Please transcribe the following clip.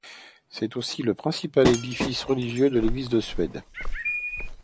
C'est aussi le principal édifice religieux de l'Église de Suède.